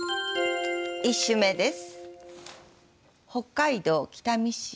１首目です。